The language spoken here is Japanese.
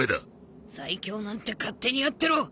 最強なんて勝手にやってろ。